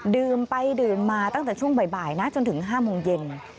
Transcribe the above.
ดื่มไปดื่มมาตั้งแต่ช่วงบ่ายนะจนถึง๕โมงเย็น